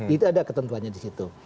itu ada ketentuannya di situ